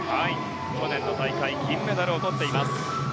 去年の大会銀メダルを取っています。